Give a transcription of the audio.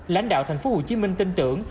lãnh đạo thành phố hồ chí minh tin tưởng